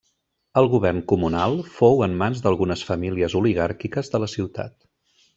El govern comunal fou en mans d'algunes famílies oligàrquiques de la ciutat.